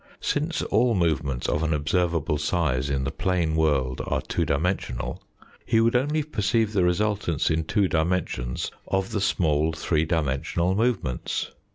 Since all movements of an observable size in the plane world are two dimensional, he would only perceive the resultants in two dimensions of the small three dimensional movements.